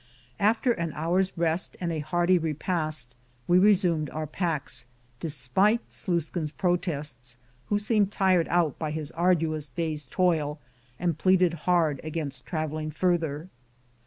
After an hour's rest and a hearty repast we resumed our packs, despite Sluiskin's protests, who seemed tired out with his arduous day's toil and pleaded hard against traveling farther.